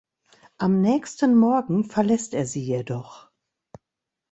Am nächsten Morgen verlässt er sie jedoch.